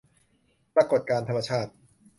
ปรากฎการณ์ธรรมชาติ